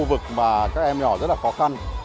khu vực mà các em nhỏ rất là khó khăn